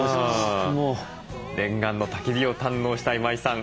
念願のたき火を堪能した今井さん。